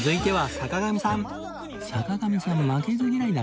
坂上さん負けず嫌いだからな